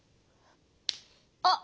あっ！